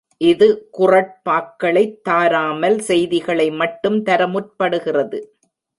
இது குறட்பாக்களைத் தாராமல் செய்திகளை மட்டும் தர முற்படுகிறது.